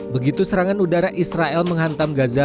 begitu serangan udara israel menghantam gaza